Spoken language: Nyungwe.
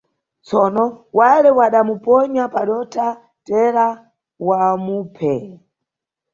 Tsono, wale wada muponya padotha teera wamuphe.